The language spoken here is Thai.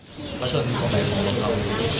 เขาชนตรงไหนของรถเรา